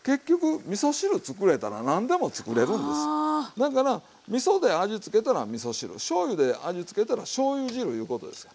だからみそで味つけたらみそ汁しょうゆで味つけたらしょうゆ汁いうことですわ。